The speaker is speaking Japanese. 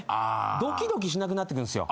ドキドキしなくなってくるんすよ。